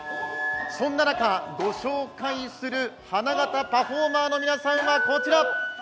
そんな中、ご紹介する花形パフォーマーの皆さんがこちら。